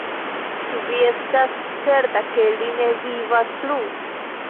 Ĉu vi estas certa, ke li ne vivas plu?